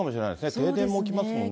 停電も起きますもんね。